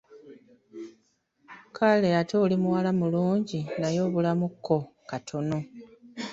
Kale ate oli muwala mulungi naye obulamu kko katono.